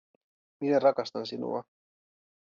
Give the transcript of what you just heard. Minä rakastan sinua